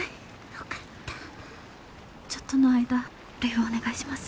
ちょっとの間るいをお願いします。